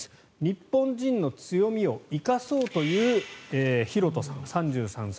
日本人の強みを生かそうというヒロトさん、３３歳。